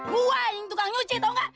gue yang tukang cuci tahu nggak